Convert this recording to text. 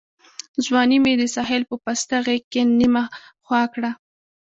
ځواني مي د ساحل په پسته غېږ کي نیمه خوا کړه